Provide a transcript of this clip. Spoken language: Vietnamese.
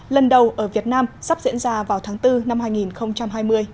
lần đầu ở việt nam sắp diễn ra vào tháng bốn năm hai nghìn hai mươi